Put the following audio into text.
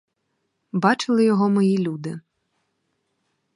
Бачили його мої люди.